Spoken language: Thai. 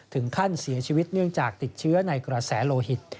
ถึงขั้นเสียชีวิตเนื่องจากติดเชื้อในกระแสโลหิต